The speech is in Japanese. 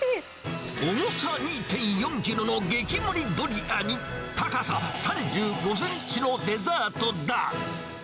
重さ２．４キロの激盛りドリアに、高さ３５センチのデザートだ。